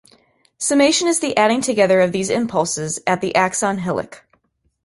Summation is the adding together of these impulses at the axon hillock.